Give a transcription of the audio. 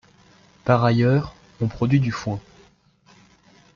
Par ailleurs, on produit du foin.